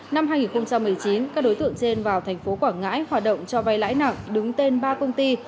năm hai nghìn một mươi chín các đối tượng trên vào thành phố quảng ngãi hoạt động cho vay lãi nặng đứng tên ba công ty